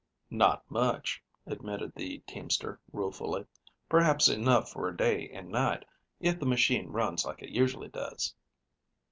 "Not much," admitted the teamster ruefully; "perhaps enough for a day and night, if the machine runs like it usually does."